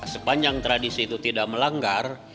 sepanjang tradisi itu tidak melanggar